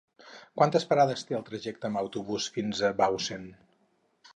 Quantes parades té el trajecte en autobús fins a Bausen?